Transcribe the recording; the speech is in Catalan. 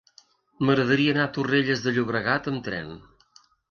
M'agradaria anar a Torrelles de Llobregat amb tren.